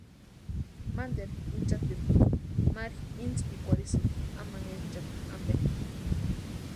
Mantani inchateru Mari intspikwarhisïnti amanhenchakwa ampe.